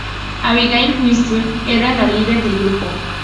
Abigail Whistler era la líder del grupo.